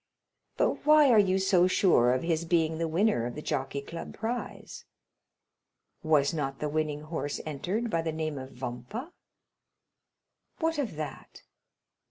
"But why are you so sure of his being the winner of the Jockey Club prize?" "Was not the winning horse entered by the name of Vampa?" "What of that?"